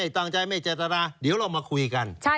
ตั้งใจไม่เจตนาเดี๋ยวเรามาคุยกัน